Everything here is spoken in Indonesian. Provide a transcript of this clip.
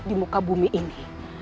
di muka bumi ini